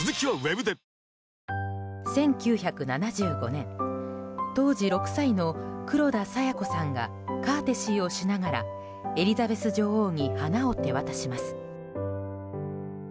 １９７５年当時６歳の黒田清子さんがカーテシーをしながらエリザベス女王に花を手渡します。